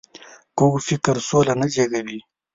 کوږ فکر سوله نه زېږوي